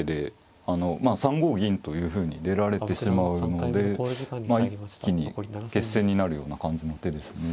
あのまあ３五銀というふうに出られてしまうのでまあ一気に決戦になるような感じの手ですね。